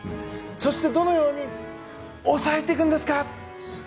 そして、どのように抑えていくんですか？